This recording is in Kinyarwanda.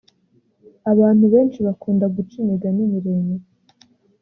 Abantu benshi bakunda guca imigani miremire